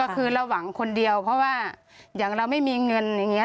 คือเราหวังคนเดียวเพราะว่าอย่างเราไม่มีเงินอย่างนี้